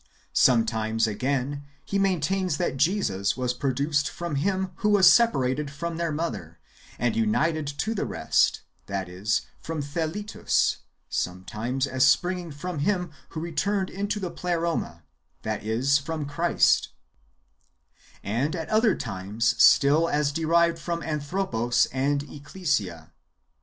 Some times, again, he maintains that Jesus w^as produced from him who was separated from their mother, and united to the rest, that is, from Theletus, sometimes as springing from him who returned into the Pleroma, that is, from Christ; and at other times still as derived from Anthropos and Ecclesia.